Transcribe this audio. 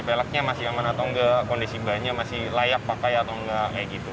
pelaknya masih aman atau enggak kondisi bannya masih layak pakai atau enggak kayak gitu